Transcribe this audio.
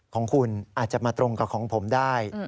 ของคุณอาจจะมาตรงกับของผมได้